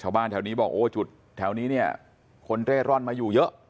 ชาวบ้านแถวนี้บอกโอ้จุดแถวนี้เนี่ยคนเร่ร่อนมาอยู่เยอะ